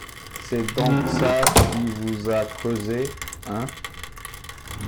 C’est donc ça qui vous a creusé, hein?